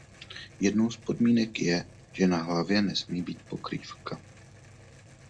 Jednou z podmínek je, že na hlavě nesmí být pokrývka.